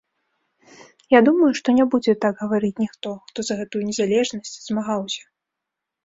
Я думаю, што не будзе так гаварыць ніхто, хто за гэтую незалежнасць змагаўся.